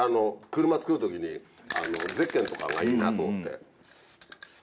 車つくる時にゼッケンとかがいいなと思って。